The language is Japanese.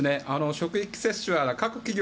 職域接種は各企業